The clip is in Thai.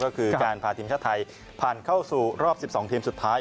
ก็คือการพาทีมชาติไทยผ่านเข้าสู่รอบ๑๒ทีมสุดท้าย